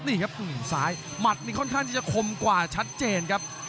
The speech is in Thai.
นี่ครับซ้ายหมัดนี่ค่อนข้างที่จะคมกว่าชัดเจนครับ